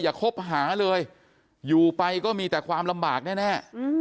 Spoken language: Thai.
คบหาเลยอยู่ไปก็มีแต่ความลำบากแน่